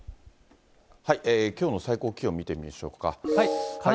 きょうの最高気温見てみましょうか。